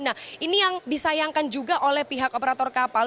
nah ini yang disayangkan juga oleh pihak operator kapal